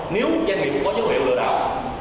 nếu doanh nghiệp có dấu hiệu lừa đảo